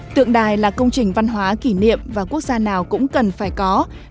tượng đài là công trình văn hóa kỷ niệm và quốc gia nào cũng cần phải cố gắng